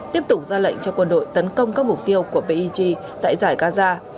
tiếp tục ra lệnh cho quân đội tấn công các mục tiêu của pig tại giải gaza